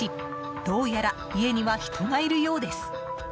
どうやら家には人がいるようです。